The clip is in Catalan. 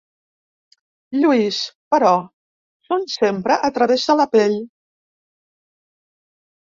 Lluís, però, són sempre a través de la pell.